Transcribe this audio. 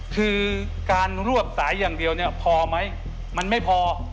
คือการรวบสายอย่างเดียวเนี่ยพอไหมมันไม่พอ